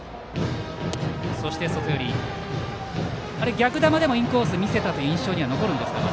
逆球でもインコース見せたという印象には残るんですか。